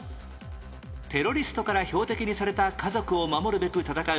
テロリストから標的にされた家族を守るべく戦う